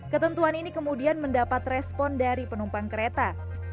ketentuan ini kemudian mendapat respon dari penumpang kereta